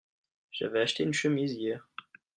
J'avais acheté une chemise hier.